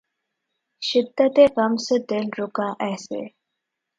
شدتِ غم سے دل رکا ایسے